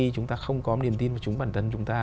chúng ta không có niềm tin vào chúng bản thân chúng ta